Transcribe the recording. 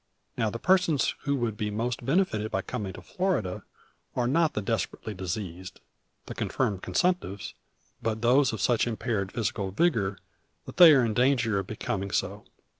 Now, the persons who would be most benefited by coming to Florida are not the desperately diseased, the confirmed consumptives, but those of such impaired physical vigor that they are in danger of becoming so.